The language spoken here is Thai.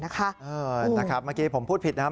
เออนะครับเมื่อกี้ผมพูดผิดนะ